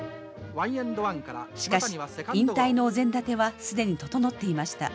しかし引退のお膳立ては既に整っていました。